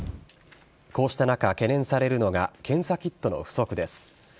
こうした中、懸念されるのが検査キットの不足です。